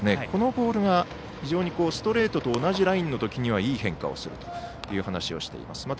このボールが非常にストレートと同じラインのときはいい変化をするという話をしています。